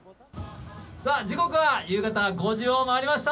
時刻は夕方５時を回りました。